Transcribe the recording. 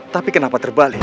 tapi kenapa terbalik